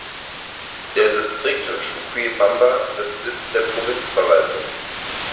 Der Distrikt Chuquibamba ist Sitz der Provinzverwaltung.